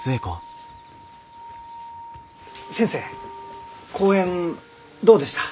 先生講演どうでした？